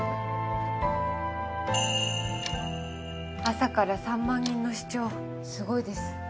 朝から３万人の視聴すごいです。